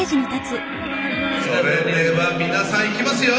それでは皆さんいきますよ。